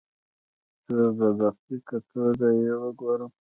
څو په دقیقه توګه یې وګورم.